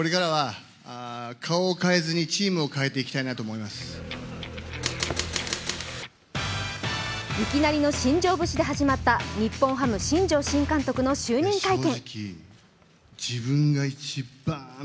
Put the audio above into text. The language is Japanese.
いきなりの新庄節で始まった日本ハム新庄監督の就任会見。